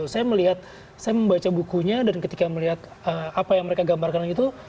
saya melihat saya membaca bukunya dan ketika melihat apa yang mereka gambarkan itu